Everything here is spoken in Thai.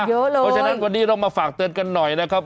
เพราะฉะนั้นวันนี้เรามาฝากเตือนกันหน่อยนะครับ